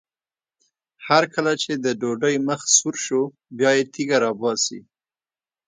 هر کله چې د ډوډۍ مخ سره شو بیا یې تیږه راباسي.